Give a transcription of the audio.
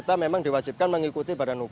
kita memang diwajibkan mengikuti badan